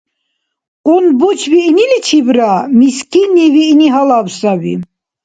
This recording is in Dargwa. КъунбучӀ виъниличибра мискинни виъни гьалаб саби.